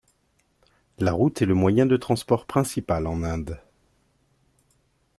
La route est le moyen de transport principal en Inde.